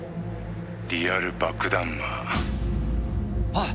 「リアル爆弾魔」おい！